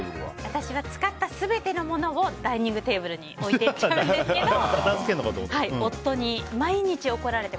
私は使った全ての物をダイニングテーブルに置いていっちゃうんですけど夫に、毎日怒られて。